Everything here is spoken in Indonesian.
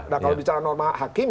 nah kalau bicara norma hakim